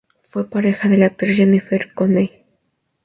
Fue pareja de la actriz Jennifer Connelly.